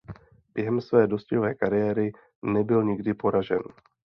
Během své dostihové kariéry nebyl nikdy poražen.